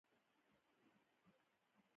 اکبرجان به ور نږدې شو او ورته به یې ویل.